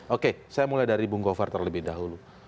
oke saya mulai dari bung govar terlebih dahulu